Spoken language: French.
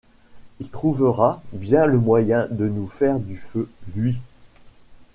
Il trouvera bien le moyen de nous faire du feu, lui!